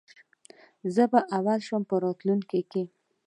زه به اول شم په راتلونکې کي